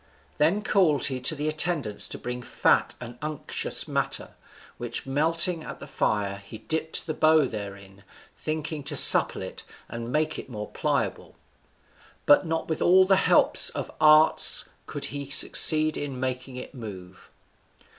Then called he to the attendants to bring fat and unctuous matter, which melting at the fire, he dipped the bow therein, thinking to supple it and make it more pliable; but not with all the helps of art could he succeed in making it to move.